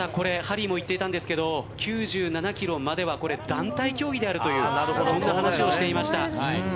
ハリーも言っていたんですけど９７キロまでは団体競技であるというそんな話をしていました。